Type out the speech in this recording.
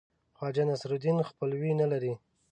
خواجه نصیرالدین خپلوي نه لري.